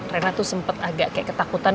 rena tuh sempat agak kayak ketakutan